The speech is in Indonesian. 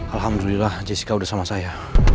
alhamdulillah jessica udah sama saya